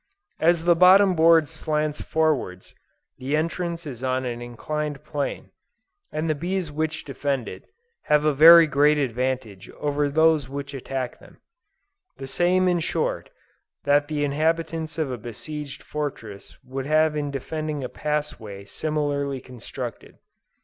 As the bottom board slants forwards, the entrance is on an inclined plane, and the bees which defend it, have a very great advantage over those which attack them; the same in short, that the inhabitants of a besieged fortress would have in defending a pass way similarly constructed.